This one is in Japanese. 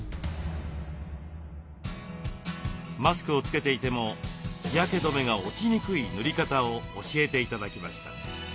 マスクをつけていても日焼け止めが落ちにくい塗り方を教えて頂きました。